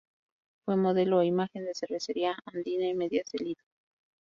Fue modelo e imagen de Cervecería Andina y Medias Di Lido.